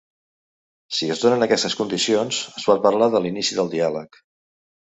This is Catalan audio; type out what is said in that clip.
Si es donen aquestes condicions, es pot parlar de l’inici del diàleg.